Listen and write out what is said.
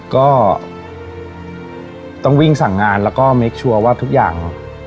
ก็ต้องวิ่งสั่งงานแล้วก็เมคชัวร์ว่าทุกอย่าง